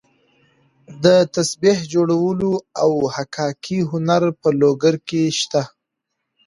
د تسبیح جوړولو او حکاکۍ هنر په لوګر کې شته.